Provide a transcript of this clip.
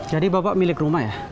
jadi bapak milik rumah ya